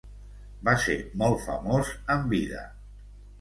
Va ser molt famós en vida.